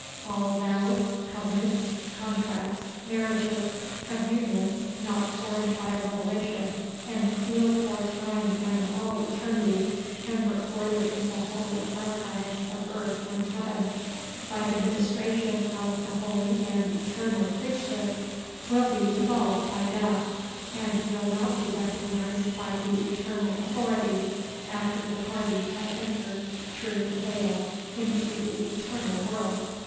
All vows, covenants, contracts, marriages, of unions, not formed by revelation, and sealed for time and all eternity, and recorded in the holy archives of earth and heaven, by the ministration of the holy and eternal Priesthood, will be dissolved by death, and will not be recognised by the eternal authorities, after the parties have entered through the vail into the eternal world.